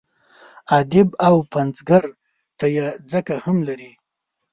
ادیب او پنځګر ته یې ځکه هم لري.